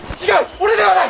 俺ではない！